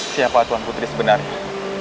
siapa tuhan putri sebenarnya